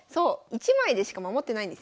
１枚でしか守ってないんですよ。